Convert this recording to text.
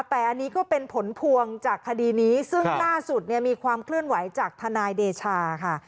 แต่อันนี้ก็เป็นผลพวงจากคดีนี้ซึ่งล่าสุดเนี่ยมีความเคลื่อนไหวจากทนายเดชาค่ะ